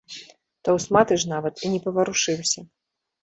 Таўсматы ж нават і не паварушыўся.